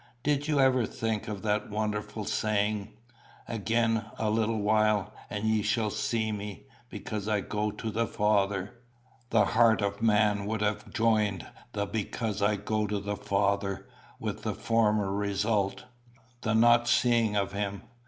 Did you ever think of that wonderful saying: 'Again a little while, and ye shall see me, because I go to the Father'? The heart of man would have joined the 'because I go to the Father' with the former result the not seeing of him.